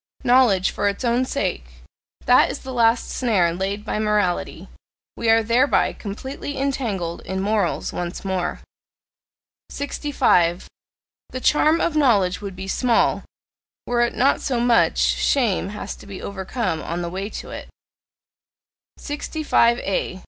"Knowledge for its own sake" that is the last snare laid by morality: we are thereby completely entangled in morals once more. 65. The charm of knowledge would be small, were it not so much shame has to be overcome on the way to it. 65A.